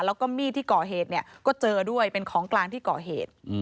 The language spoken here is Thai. แล้วก็มีดที่ก่อเหตุเนี่ยก็เจอด้วยเป็นของกลางที่ก่อเหตุ